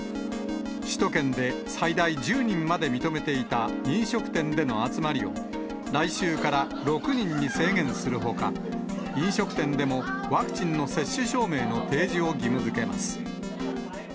首都圏で最大１０人まで認めていた飲食店での集まりを、来週から６人に制限するほか、飲食店でもワクチンの接種証明の提示を義務づけます。